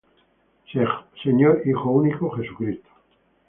Señor, Hijo único, Jesucristo.